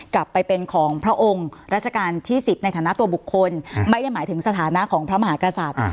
กลับไปเป็นของพระองค์รัชกาลที่๑๐ในฐานะตัวบุคคลไม่ได้หมายถึงสถานะของพระมหากษัตริย์